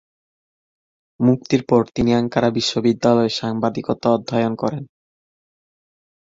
মুক্তির পর তিনি আঙ্কারা বিশ্ববিদ্যালয়ে সাংবাদিকতা অধ্যয়ন করেন।